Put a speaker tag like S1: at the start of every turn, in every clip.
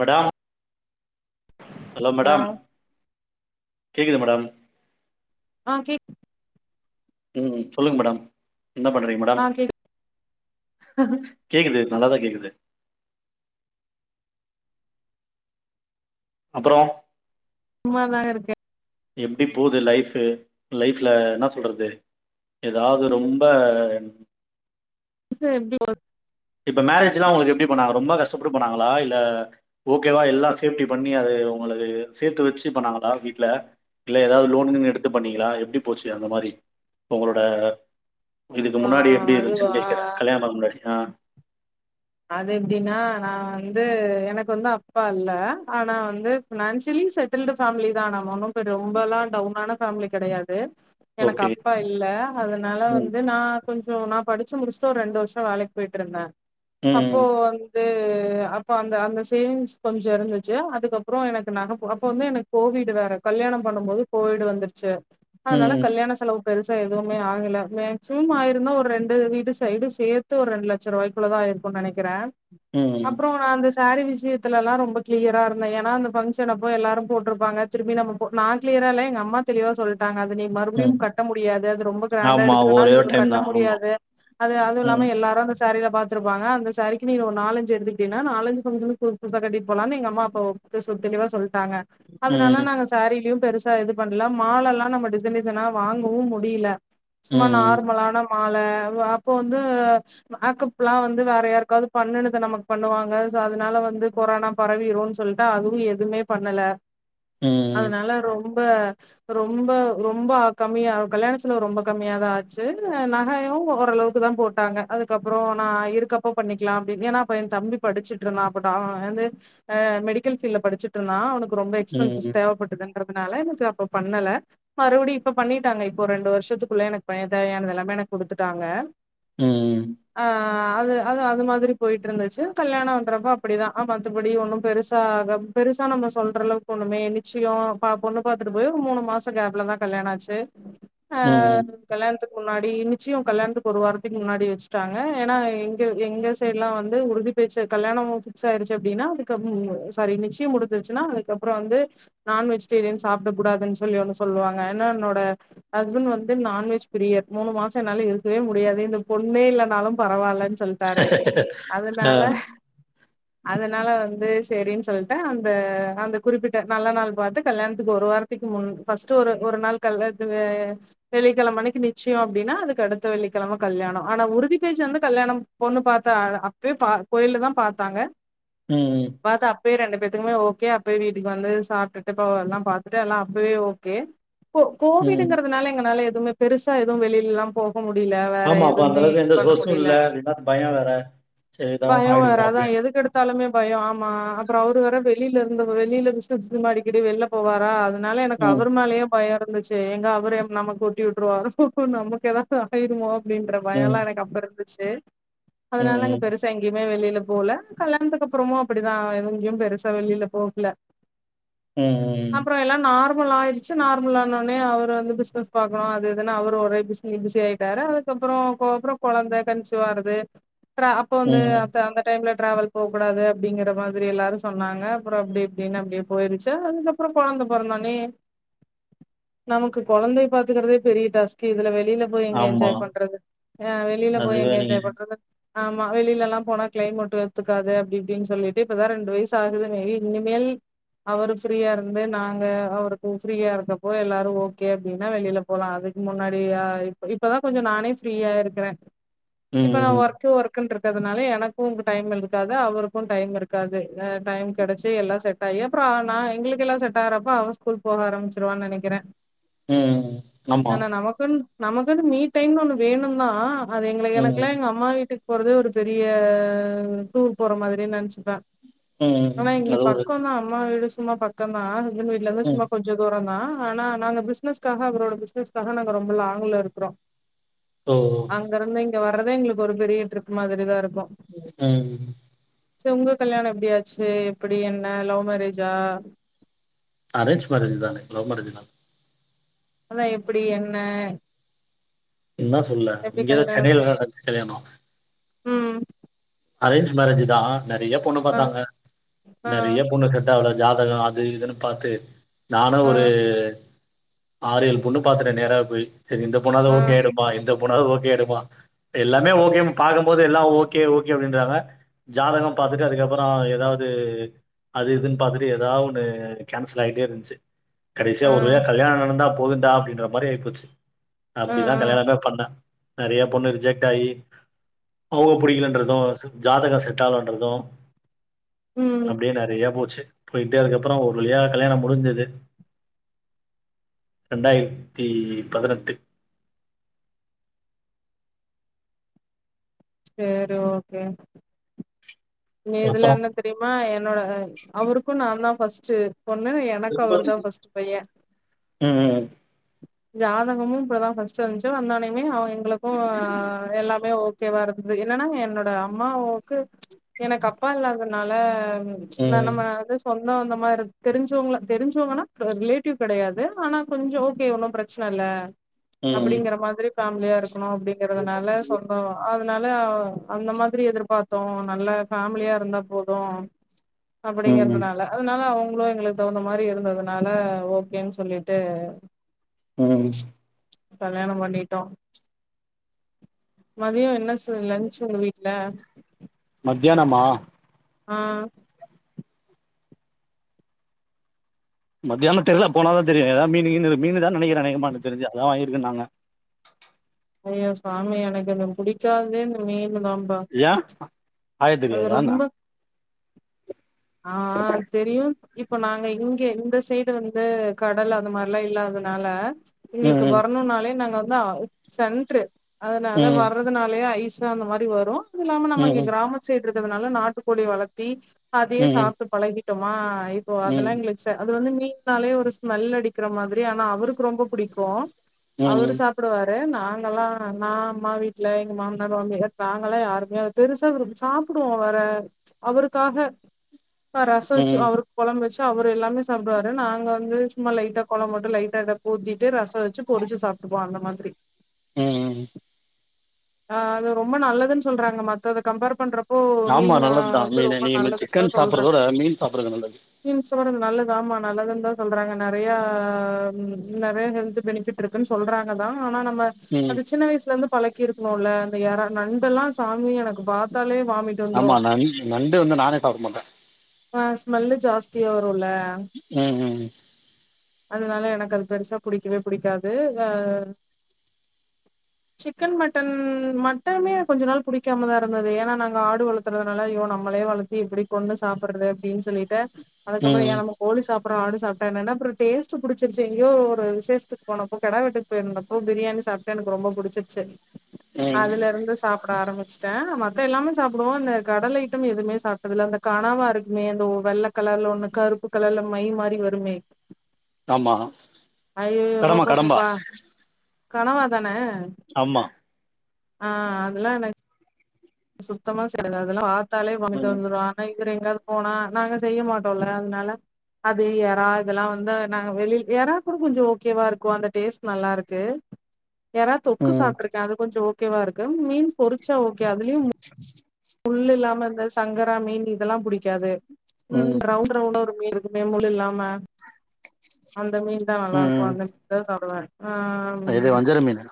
S1: Madam hello madam கேக்குது madam
S2: ஆ கேக்
S1: ம் சொல்லுங்க மேடம் என்ன பண்றீங்க மேடம்
S2: ஆ கேக்
S1: கேக்குது நல்லாதா கேக்குது அப்றோ
S2: சும்மாதாங்க இருக்கே
S1: எப்டி போது லைஃப்பு லைஃப்ல என்ன சொல்றது ஏதாவது ரொம்ப
S2: எப்டி போது
S1: இப்ப மேரேஜ்லா உங்களுக்கு எப்டி பன்னாங்க ரொம்போ கஷ் சுப்டு பண்ணாங்களா இல்ல ஓகேவா எல்லா சேப்டி பண்ணி அது உங்களுக்கு சேத்து வச்சி பண்ணாங்களா வீட்ல இல்ல ஏதாவது லோன் கினு எடுத்து பண்ணீங்களா எப்படி போச்சு அந்த மாரி உங்களோட இதுக்கு
S2: ஆ
S1: முன்னாடி எப்படி
S2: அதுவா
S1: இருந்துச்சுன் கேக்கற கல்யணம் பண்ண முன்னாடி ஆ
S2: அது எப்டின்னா நா வந்து எனக்கு வந்து அப்பா இல்ல ஆனா வந்து பினான்சியலி செட்டில்டு ஃபேமிலி தா நம்ம ஒன்னு ரொம்பெல்லா டவுனான ஃபேமிலி கெடையாது எனக்கு
S1: ஓகே
S2: அப்பா இல்ல அதனால
S1: ம்
S2: வந்து நா கொஞ்சோ நா படிச்சி முடிச்சிட்டு ஒரு ரெண்டு வருஷோ வேலைக்கு போய்ட்டு இருந்தே அப்போ
S1: ம்
S2: து அப்ப அந்த அந்த சேவிங்ஸ் கொஞ்ச இருந்துச்சு அதுக்கப்புறோ எனக்கு நக அப்ப வந்து எனக்கு கோவிட் வேற கல்யாணம் பண்ணம் போது கோவிடு வந்துருச்சி அதனால
S1: ம்
S2: கல்யாண செலவு பெருசா எதுவுமே ஆகல மேக்சிமம் ஆயிருந்தா ஒரு ரெண்டு வீட்டு சைடு சேத்து ஒரு ரெண்டு லட்ச ரூவாய்க்குள்ள தா ஆயிருக் க்கு நெனைக் கிறே
S1: ம்
S2: அப்புறோ நா அந்த சாரீ விஷியத்துல எல்லா ரொம்ப கிளியரா இருந்தே ஏனா அந்த ஃபங்ஷனப்போ எல்லாரு போட்டுருப்பாங்க திரும்பி நம்ப போ நா கிளியரா இல்ல எங்க அம்மா தெளிவா சொல்ட்டாங்க அது அத நீ
S1: ம்
S2: மறுபடியும் கட்ட முடியாது அது ரொம்ப கிராண்டா
S1: ஆமா
S2: எடுத்துட்டனா
S1: ஒரே
S2: அது
S1: ஒரு
S2: இவ
S1: டைம்
S2: கட்ட
S1: தா ஆமா
S2: முடியாது அது அது
S1: ம்
S2: இல்லாம எல்லாரு அந்த சாரீல பாத்துருப் துருவாங்க அந்த சாரீக்கு நீனு ஒரு நாலஞ்சு எடுத்துக்கிட்டீனா நாலஞ்சு ஃபங்ஷனுக் புது புதுசா கட்டிட் போலானு எங்க அம்மா அப்பா ஒ [unintelligible] தெளிவா சொல் டாங்க அதுனால
S1: ம்,
S2: நாங்க சாரீலியு பெருசா எது பண்ல மாலெல்லா நம்ப டிஸைன் டிஸைனா வாங்கவு முடியில சும்மா
S1: ம்,
S2: நார்மலான மால ல வ அப்ப வந்து அப்ப புல்லா வந்து வேற யாருக்காவது பண்ணுணுத நமக் பண்ணுவாங்க சோ அதுனால வந்து கொரோனா பரவிருன் சொல்ட்டு அதுவு எதுமே பண்ணல
S1: ம்,
S2: அதுனால ரோ ரொம்ப ரொம்ப ரொம்ப கம்மியா கல்யாண செலவு ரொம்ப கம்மியாதா ஆச்சி நகையு ஓரளவுக்கு தா போட்டாங்க அதுக்கப்புறோ நா இருக்கப்ப பண்ணிக்லா அப்டின் ஏனா அப்ப எங் தம்பி படிச்சிட்ருந்தா அப்ப டா வந்து ஆ மெடிக்கல் ஃபீல்ல படுச்சிட்ருந்தா அவனுக்கு ரொம்ப எக்ஸ்பென்சிஸ்
S1: ம்,
S2: தேவப்பட்டுதுன் ட்றதுனால எனக்கு அப்ப பண்ணல மறுபடி இப்ப பண்ணிட்டாங்க இப்போ ரெண்டு வருஷத்துக்குள்ள எனக் பைய தேவயானதெல்லாமே எனக் குடுத்துட்டாங்க
S1: ம்
S2: ஆ அது அது அது மாதிரி போயிட்டு இருந்துச்சி கல்யாணொன்றப்ப அப்பிடிதா ஆ மத்தபடி ஒண்ணு பெருசாக பெருசா நம்ம சொல்றளவுக்கு ஒண்ணுமே நிச்சியோ ப பொண்ணு பாத்துட்டு போய் ஒரு மூணு மாச கேப்லதா கல்யாண ஆச்சி ஆ
S1: ம்.
S2: கல்யாண்த்துக் முன்னாடி நிச்சியு கல்யாணத்துக் ஒரு வாரத்திக் முன்னாடி வச் டாங்க ஏனா எங்க எங்க சைட்லா வந்து உறுதி பேச்சி கல்யாணொ ஃபிக்ஸ் ஆயிருச்சு அப்டினா அதுக்கம் ஸாரி நிச்சியம் முடுஞ்சுருச்சுனா அதுக்கப்றோ வந்து நான்வெஜ்டேரியன் சாப்ட குடாதுன் சொல்லி வந்து சொல்வாங்க ஏனா என்னோட ஹஸ்பண்ட் வந்து நான்வெஜ் பிரியர் மூனு மாசொ என்னால இருக்கவே முடியாது இந்த பொண்ணே இல்ல னாலு பரவால்லன்
S1: ஆ
S2: அதனால வந்து சேரின் சொல்ட்டு அந்த அந்த குறிப்பிட்ட நல்ல நாள் பாத்து கல்யாண்த்துகு ஒரு வாரத்துக்கு முன் ஃபஸ்ட்டு ஒரு ஒரு நாள் கல் வே வெள்ளிக்கெழமன்னக்கி நிச்சயே பேச்சு வந்து கல்யாணோ பொண்ணு பாத்தா அப்பயே பா கோயில்ல தா பாத்தாங்க
S1: உம் உம்
S2: பே ரெண்டு பேத்துக்கு ஓகே அப்பயெ வீட்டுக்கு வந்து சாப்டுட்டு போ எல்லா பாத்துட்டு எல்லா அப்பவே ஓகே கோ
S1: ம்.
S2: கோவிடுங்கறதுனால எங்கனால எ துமே பெருசா எது வெளிலெல்லா போ போ முடில வேற எதுவ்மே இது பண்ண
S1: சோசு
S2: முடியல
S1: இல்ல [unintelligible] பயோ வேற சோ எதா ஒன்னு ஆயிடுமோ அப்டின்டு
S2: அ அப்பறோ அவுரு வேற வெளிலருந்த வெளில பிஸ்னஸ்கெல்லா அடிக்கடி வெள்ல போவாரா அத னால எனக்கு
S1: ம்,
S2: அவர் மேலயு பயோருக்கு ருந்துச்சு எங்க அவரு நமக்குட்டி விட்டுருவாரோ நமக்கு எதாது ஆயிருமோ அப்டின்ற பயல்லா
S1: ம்,
S2: எனக்கப் துச்சு அதனால்
S1: ம்,
S2: என்க்கு பெருசா எங்கியுமே வெளில் ல போல கல்யாணத்துக்கப்புறமு அப்புடிதா எங்யு பெருசா வெளில போகல
S1: ம்,
S2: அப்றோ எல்லா நார் முல் ஆயிடுச்சு நார்மலானோனே அவர் வந்து பிஸ்னஸ் பாக்கணு அது இதுனா அவர் ஒரே பிஸி பிஸி ஆயிட்டாரு அதுக்கப்புறோ கோபறோ கொழந்த கன்ஸுவாறது ரா அப்ப வந்து
S1: ம்.
S2: அ அந்த டைம்ல ட்ராவல் போக்கூடாது அப்டிங்கற மாரி எல்லாரு சொன்னாங்க அப்றம் அப்டி இப்டினு அப்டியே போயிருச்சு அதுக்கப்றோ கொழந்த பொறந்தொனே நமக்கு கொழந்தயே பாத்துக்கறதே பெரிய டாஸ்கு இதுல வெளி வெளில போய் எங்க
S1: ஆமா.
S2: என்ஜாய் பண்றது ஆஹ் வெளில போய்
S1: அதுவே
S2: எங்க
S1: நீங்க
S2: என்ஜாய் பண்றது ஆமா வெளிலலா போனா க்ளைமேட் ஒத்துக்காது அப்டி இப்டினு சொல்லிட்டு இப்பதா ரெண்டு வயசாகுது மேபி இனிமேல் அவுரு ஃப்ரீயாருந்து நாங்க அவருக்கு ஃப்ரீயா இருக்கப்போ எல்லாரு ஓகே அப்டினா வெளில போலா அதுக்கு முன்னாடியா இப்ப இப்பதா கொஞ்சோ நானே ஃப்ரீயா இருக் க்ர இப்ப
S1: ம்,
S2: ஒர்க்கு ஒர்க்குன்ற இருக்றதுனால எனக்கு டைம்மிருக்காது அவுருக்கு டைம்மிருக்காது டைம் கெடச்சி எல்லா செட்டாயி அப்றோ நா எங்ளுக்கீல்லா செட் ஆறப்ப அவ ஸ்கூல் போவ ஆரமிச்ருவானு நெனைக்ற
S1: உம் உம் ஆமா
S2: நமக்குனு ஃப்ரீ டைம்னு ஒண்ணு வேணு ந்தா ஆனா அது எங்ளுக்கு
S1: ம்,
S2: எனக்குலா எங்க அம்மா வீட்டுக்கு போறதே ஒரு பெரிய டூர் போற மாதிரினு நெனச்சுப்ப
S1: ம்.
S2: ஆனா இங்க
S1: அது ஒரு
S2: பக்கந்தோ அம்மா வீடு சும்மா பக்கந்தா இங்க வீட்லருந்து
S1: ம்.
S2: சும்மா கொஞ்சதூரந்தா ஆனா நாங்க பிஸ்னஸ்காக அவரோட பிஸ்னஸ்காக நாங்க ரொம்ப லாங்ல இருக்குறோ
S1: ஓ!
S2: அங்கிருந்து இங்க வர்ரதே எங்ளுக்கு ஒரு பெரிய ட்ரிப் மாதிரிதா இருக்கு
S1: ஹ்ம்
S2: செரி உங்க கல்யாணம் எப்டியாச்சு எப்டி என்ன லவ் மேரேஜா
S1: அரேஞ் மேரேஜ்தாங் லவ் மேரேஜ்லால்ல
S2: அதா எப்டி என்ன
S1: என்ன சொல்ல
S2: எப்டி
S1: இங்கதா சென்னைலதா நடஞ்சு கல்யாணோ
S2: உம்
S1: அரேஞ்ச் மேரேஜுதா நெறய பொண்ணு
S2: ஆ
S1: பாத்தாங்க
S2: ஆ
S1: நெறய பொண்ணு செட் ஆவள ஜாதகோ அது இதுன்னு பாத்து நானு
S2: ஆ
S1: ஒரு ஆறு ஏழு பொண்ணு பாத்துட்ட நேராவே போயி சரி இந்த பொண்ணாது
S2: ஆ
S1: ஓகே ஆயிருமா இந்த பொ ண்ணாது ஓகே ஆய்டுமா எல்லாமே ஓகே பாக்கும்போது எல்லா ஓகே ஓகே ஓகே அப்டின்றாங்க ஜாதகம் பாத்துட்டு அதுக்கப்பறோ எதாவது அது இதுன்னு பாத்துட்டு ஏதாவொண்ணு கேன்சல் ஆயிட்டே இருஞ்ச்சு கடைசியா
S2: ஆ
S1: ஒரு வழியா கல்யாணோ நடந்தா போதுண்டா அப்டின்ற மாரி ஆய்போச்சு
S2: ஆ ஆ
S1: அப்படிதா கல்யாணமே பண்ண. நெறயா பொண்ணு ரிஜெக்ட் ஆகி அவுங்க புடிக்கலன்றது. தும். ஜாதக செட்டாலன்றது
S2: ம்
S1: அப்படியே நெறயா போச்சு போயிட்டு அதுக்கப்புறோ ஒரு வழியா கல்யாணம் முடிஞ்சது இரண்டாயிரத்தி பதினெட்டு.
S2: செரி ஓகே. இனி இதுல
S1: அப்புறோ
S2: என்ன தெரியுமா என்னோட அவருக்கு நான் தா ஃபஸ்ட் பொண்ணு எனக்கு அவருதா பஸ்ட் பைய்ய
S1: ம்
S2: ஜாதகமும் இப்பதா ஃர்ஸ்ட் வந்ச்சு வந்த ஒன்னயமே அவுங்க எங்களுக்கு எல்லாமே ஓக் கே வா இரு என்னன்னா என்னோட அம்மாவுக்கு எனக்கு அப்பா இல்லாதனால ம்ச் நா
S1: ம்
S2: நம்ம இது சொல் இன்னு அந்த மாரி தெரிஞ்சவங்கள தெரிஞ்சவங்கன்னா ரிலேட்டிவ் கெடையாது. ஆனா கொஞ்சோ ஓகே ஒன்னு பிரச்சன இல்ல.
S1: ம்
S2: அப்படிங்கிற மாதிரி ஃபேமிலியா இரு ருக்கணு அப்டிங்கறதுனால சொந்தோ அது னால அ அந்த மாதிரி எதிர்பாத்தோ நல்ல ஃபேமிலியா இருந்தப்போ ஒ
S1: ம்
S2: அப்பிடிங்கறதுனால அதனால அவுங உலோ எங்குளுக் தவுந்த மாரி இருந்ததுனால ஓகேன் சொல்லிட்டு
S1: ம்
S2: கல்யாணம் பண்ணிட்டோ மதியோ என்ன ஸ் ட்டு லன்ச் உங்க வீட்ல
S1: மத்தியானமா
S2: ஆஹ்
S1: மத்தியான தெர்லா போனாதா தெரியு எதா மீனு கீனு மீனுதான் நெனைக்கிற அநேகமா தெரிஞ்சா அதா வாங்கிருக்கேன்னாங்க
S2: ஐயோ சாமி எனக்கு அந்த புடிக்காததே இந்த மீ னுதாம்பா
S1: ஆயத்தெரியாதான்ன
S2: ஆஹ் ஆ தெரியு இப்ப நாங்க இங்க இந்த சைடு வந்து கடல் அந்த மாரிலா இல்லாதனால எங்குளுக்கு
S1: ம்
S2: வர்ணுன்னாலே நாங்க நா சென்ட்ரு அதனால
S1: ம்
S2: வர்றதுனாலயே ஐஸ் த்து அந்த மாரி வரு அதுஇல்லாம நாம்ம இங்க
S1: ம்
S2: கிராம [unintelligible] ட்ருக்கதுனால நாட்டுக்கோழி வளத்தி அதையே
S1: ம்
S2: சாப்ட்டு பழகி ட்டொமா இப்போ அதல்லா
S1: ம்
S2: எங்குளுக் ச அது வந்து மீ ன்னாலே ஒரு ஸ்மெல் அடிக்கிற மாதிரி ஆனா அவுருக் கு ரொம்ப புடிக்கு அவுரு
S1: ம்
S2: சாப்புடுவா ரு நாங்கல்லா நா அம்மா வீட்ல எங்க மாமனார் மாமியார் நாங்க எல்லா யாருமே அத பெருசா விரும் சாப்புடுவோ அவர அவுருக்காக அ ரச வெச்சு
S1: ம்
S2: அவுருக் கொழம்ப வெச்சு அவுரு எல்லாமே சாப்டுவாரு நாங்க வந்து சும்மா லைட்டா கொழம் மட்டு லைட்டா எதக் ஊத்திட்டு ரசோ வெச்சு பொறிச்சு சாப்டுக்குவோ அந்த மாதிரி
S1: ம் ம் ம்
S2: ஆஹ் அது ரொம்ப நல்லதுன் சொல்றாங்க மத்தத கம்பேர் பண்ற
S1: ஆமா நல்லத்தா மீனு நீ
S2: தா
S1: சிக்கன்
S2: சொல்றா
S1: சாப்பறதவட மீன் சாப்பட்றது நல்லது
S2: [unintelligible] நல்லது ஆமா நல்லதுன் தா சொல்றாங்க நறையா நறைய ஹெல்த் பெனிஃபிட் இருக்குன் சொல்றாங்க தா ஆனா நம்ம
S1: ம்
S2: அது சின்ன வயசுலந்து பழ கிருக்கணுல்ல அந்த இறா நண்டெல்லா சாமி எனக்கு பாத் தாலே வாமிட் வந்துரு
S1: ஆமா நண் நண்டு வந்து நானே மாட்டே
S2: ஸ்மெல்லு ஜாஸ்தியா வருல்ல
S1: ம் ம்
S2: அதனால எனக்கு அது பெருசா புடிக்கவே புடிக்காது எ சிக்கன் மட்டன் மட்டுமே கொஞ்ச நாள் புடிக்காமதா இருந் தது ஏன்னா நாங்க ஆடு வளத்துறதுனால ஐயோ நம்மளே துது ஏனா நாங்க ஆடு வளத்திறதுனால ஐய்யோ நம்மளே வளத்தி எப்படி கொன்னு சாப்பிடுறது அப்படின்னு சொல்லிட்டு அதுக்கப்புறோ ஏ
S1: ம்
S2: நம்ம கோழி சாப் அப்புறோ ஆடு சாப்பிட்டா என்னன்ன அப்புறோ டேஸ்ட் புடிச்சிருச்சு எங்யோ ஒரு விஷேசத்துக்கு போனப்போ கெடா வெட்டுக்கு போயிருந்தப்போ பிரியாணி சாப்ட்டு எனக்கு ரொம்ப புடிச்சிருச்சு
S1: ம்
S2: அதுல இருந்து சாப்பிட ஆரம்பி ச்சுட்ட மத்த எல்லாமே சாப்பிடுவோ இந்த கடல் ஐட்டம் எதுவுமே சாப்பிட்டதுல்ல இந்த கணாவா இருக்குமே அந்த வெள்ள கலர்ல ஒண்ணு கருப்பு கலர்ல மை மாரி வருமே
S1: ஆமா கடம்பா கடம்பா
S2: கணவா தான
S1: ஆமா
S2: ஆஹ் அதெல்லா எனக்கு சுத்தமா சேராது அதெல்லா பா த்தாலே வாமிட்டு
S1: ம்
S2: வந்துரு ஆனா இப் இவரு எங்காவது போனா நாங்க செய்ய மாட்டோல்ல அதனால அது எறா இதெல்லா வந்து நாங்க வெளிய எறா கூட கொஞ்சோ ஓகேவா இருக்கு அந்த டேஸ்ட் நல்லா இருக்கு எறா தொக்கு
S1: ம்
S2: சாப்பிருக்க அது கொஞ்சோ ஓக்கேவா இருக்கு மீன் பொறிச்சா ஓக்கே இதிலியூம் முள்ளூ இல்லாம இந்த சங்கரா மீன் இதெல்லாம் புடிக்காது உம்
S1: ம்
S2: ரவுண்ட் ரவுண்டா ஒரு மீன் இருக் அப்டியே முள் இல்லாம அந் அந்த மீன்தா நல்லா இருக்கு
S1: ம்
S2: அந்த மீன்தா சாப்டுவ
S1: இது வஞ்சர மீனூ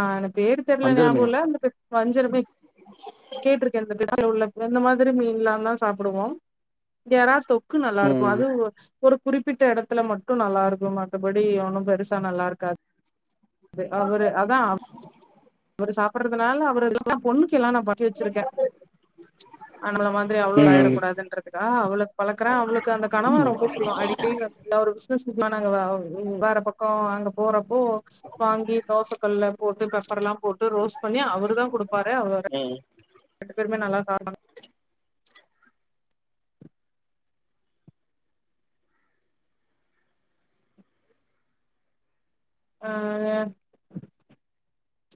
S2: ஆ எனக் பேறு தெர்ல ஞாபகோல்ல அந்தப் வஞ்சர மீ அதுல உள்ள இப்ப இந்த மாரி மீன்எல்லான்தா சாப்பிடுவோ இந்த எறா தொக் நல்லா இருக்கு
S1: ம்
S2: அது ஒரு குறிப்பிட்ட எடத்துல மட்டு நல்லா இருக்கு மத்தபடி ஒண்ணூ பெருசா நல்லா இருக்காது பே அவரு அதா கொஞ்சோ சாப்பிடறதுனால அவரூ [unintelligible] பொண்ணு கி எல்லா நா பண்ணி வச்சிருக்க அஹ் நம்மல மாதிரி அவளூ
S1: ம்
S2: ஆயிரக்கூடாதுன்றத்துக்காக அவுளுக்கு பழக்கற அவளுக்கு அந்த கனவா ரொம்ப புடிக்கு அடிக்கடி நல்லா ஒரு பிசினஸ் ட்ரிப்னா வேற பக்கோ அங்க போறப்போ வாங்கி தோச கல்ல போட் சாப்பாடுல்லாம் போட்டு ரோஸ்ட் பண்ணி அவருதா குடுப்பாரு அவங்க ரெண்டு பேருமே நல்லா ஆமாங் ஆ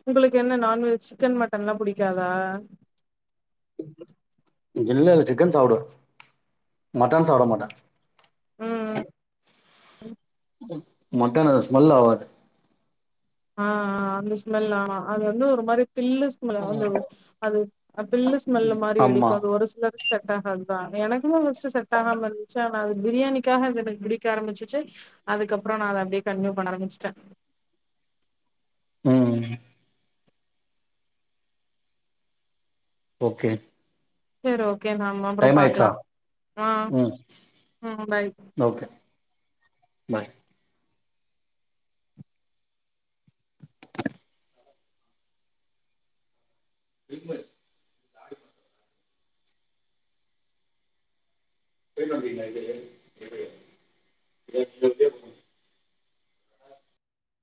S2: உங்களுக்கு என்ன நான்வெஜ் சிக்கன் மட்டனெல்லா புடிக்காதா
S1: இல்லேல்ல சிக்கன் சாப்டுவே மட்டன் சாப்டமாட்டேன்
S2: ம்
S1: ம் மட்டன் அது ஸ்மெல் ஆவாது
S2: அ ஆங் அந்த ஸ்மெல் ஆமா அது வந்து ஒருமாரித் பில்லு ஸ்மெல் வந்துரும் அது அ பில்லு ஸ்மெல்லு மாரி
S1: ஆமா
S2: எடுக்கும் அது ஒரு சிலர்க் செட் ஆகாதுதான் எனக்குமே ஃபர்ஸ்ட் செட் ஆகாம இருந்துச்சு ஆனா அது பிரியாணிக்காக அது எனக்கு பிடிக்க ஆரம்பிச்சிச்சு அதுக்கப்புறம் நா அத அப்டியே கன்டினியூ பண்ண ஆரம்பிச்டேன்
S1: ம் ம் ஓகே
S2: சரி ஓக் ஓகே நாம அப்பறம்
S1: டைம் ஆயிடுச்சா
S2: பாக்கலாம் ஆ
S1: ம்
S2: ம் பை ஓகே
S1: பாய் ஜிம்மு [inaudible] போய்ட்டு வந்ட்டிங்ளா இது எது [unintelligible]